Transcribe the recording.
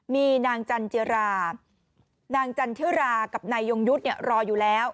มีนางจันจิรานางจันทิรากับนายยงยุทธ์รออยู่แล้ว